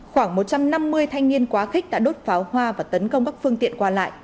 khoảng một trăm năm mươi thanh niên quá khích đã đốt pháo hoa và tấn công các phương tiện qua lại